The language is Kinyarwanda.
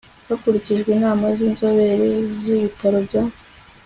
hakurikijwe inama z inzobere z ibitaro bya